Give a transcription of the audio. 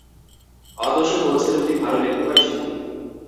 অতসী বলছিল তুই ভালো লিখতে পারিস নাকি!